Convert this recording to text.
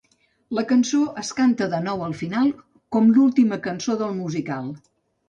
La cançó es canta de nou al final com l'última cançó del musical.